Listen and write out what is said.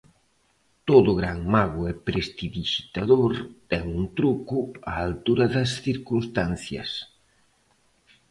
Todo gran mago e prestidixitador ten un truco á altura das circunstancias.